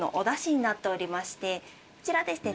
こちらですね